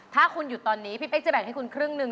ถ้าคุณหยุดตอนนี้พี่เป๊กจะแบ่งให้คุณครึ่งหนึ่ง